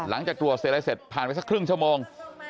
หลังจากตรวจเสร็จอะไรเสร็จผ่านไปสักครึ่งชั่วโมง